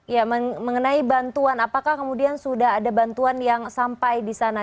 ya mengenai bantuan apakah kemudian sudah ada bantuan yang sampai di sana